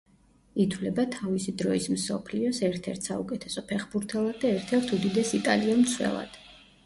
ითვლება თავისი დროის მსოფლიოს ერთ-ერთ საუკეთესო ფეხბურთელად და ერთ-ერთ უდიდეს იტალიელ მცველად.